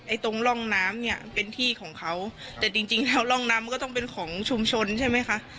ตรงร่องน้ำเนี่ยเป็นที่ของเขาแต่จริงจริงแล้วร่องน้ำมันก็ต้องเป็นของชุมชนใช่ไหมคะ